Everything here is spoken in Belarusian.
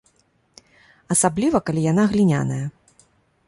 Асабліва калі яна гліняная.